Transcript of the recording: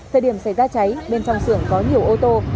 thời điểm xảy ra cháy bên trong xưởng có nhiều ô tô